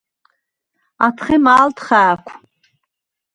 ათხე მა̄ლდ ხა̄̈ქუ̂: